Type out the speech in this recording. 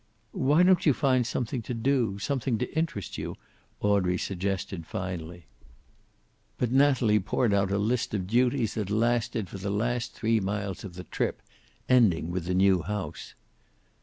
"Why don't you find something to do, something to interest you?" Audrey suggested finally. But Natalie poured out a list of duties that lasted for the last three miles of the trip, ending with the new house.